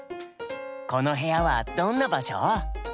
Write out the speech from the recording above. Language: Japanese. この部屋はどんな場所？